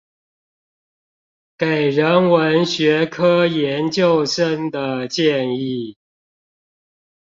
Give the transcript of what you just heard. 給人文學科研究生的建議